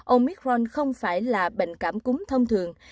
omicron không phải là bệnh cảm cúng thông thường